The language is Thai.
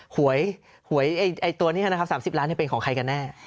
หวยตัวนี้นะครับ๓๐ล้านเป็นของใครกันแน่